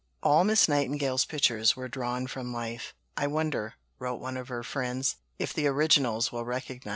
All Miss Nightingale's pictures were drawn from life. "I wonder," wrote one of her friends, "if the originals will recognise themselves."